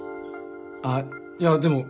あっいやでも